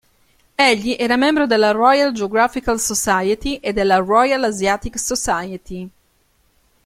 Egli era membro della Royal Geographical Society e della Royal Asiatic Society.